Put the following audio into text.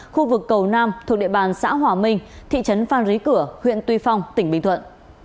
khu vực cầu nam thuộc địa bàn xã hòa minh thị trấn phan rí cửa huyện tuy phong tỉnh bình thuận